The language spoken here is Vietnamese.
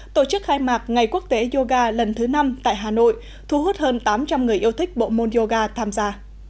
tổ chức khai mạc ngày quốc tế yoga lần thứ năm tại hà nội thu hút hơn tám trăm linh người yêu thích bộ môn yoga tham gia